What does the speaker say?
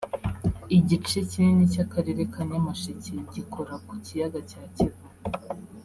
Igice kinini cy’Akarere ka Nyamasheke gikora ku kiyaga cya Kivu